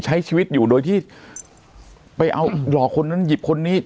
ใช้ชีวิตอยู่โดยที่ไปเอาหลอกคนนั้นหยิบคนนี้